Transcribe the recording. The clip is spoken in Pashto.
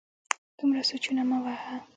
دومره سوچونه مه وهه